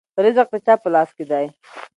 رزق د چا په لاس کې دی؟